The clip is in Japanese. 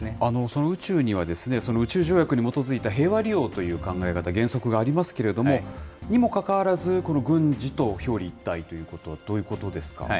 その宇宙には、宇宙条約に基づいた平和利用という考え方、原則がありますけれども、にもかかわらず、この軍事と表裏一体ということ、どういうことですか。